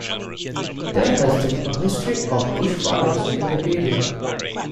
There has been a history of bushfires in the area.